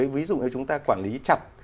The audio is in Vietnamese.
ví dụ như chúng ta quản lý chặt